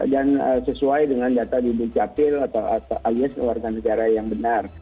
dan sesuai dengan data di bukcapil atau alias luar negara yang benar